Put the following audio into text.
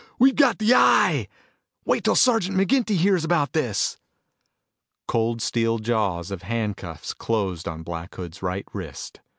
We've got the Eye. Wait till Sergeant McGinty hears about this!" Cold steel jaws of handcuffs closed on Black Hood's right wrist.